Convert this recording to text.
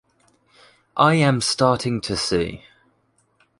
I am starting to see.